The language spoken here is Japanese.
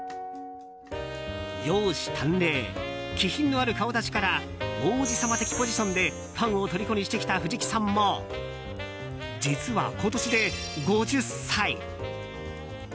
容姿端麗、気品のある顔立ちから王子様的ポジションでファンをとりこにしてきた藤木さんも、実は今年で５０歳。